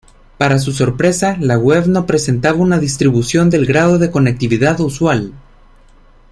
Para su sorpresa, la web no presentaba una distribución del grado de conectividad usual.